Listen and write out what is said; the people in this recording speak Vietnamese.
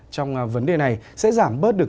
trong vấn đề này sẽ giảm bớt được